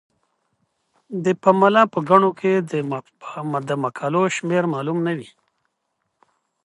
د پملا په ګڼو کې د مقالو شمیر معلوم نه وي.